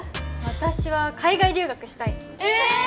私は海外留学したいえ！？